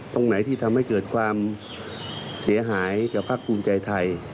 ตรงไหนที่ทำให้เกิดความเสียหายกับภาคภูมิใจไทย